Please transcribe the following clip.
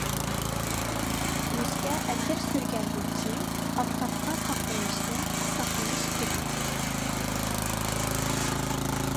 يۈزگە ئەتىر سۈرگەندىن كېيىن ئاپتاپقا قاقلىنىشتىن ساقلىنىش كېرەك.